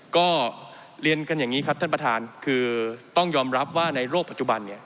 ก็เรียนกันอย่างนี้ครับท่านประธานคือต้องยอมรับว่าในโลกปัจจุบันเนี่ย